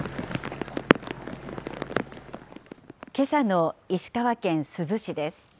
けさの石川県珠洲市です。